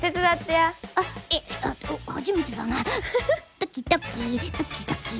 ドキドキードキドキー。